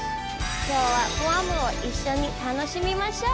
きょうはグアムを一緒に楽しみましょう。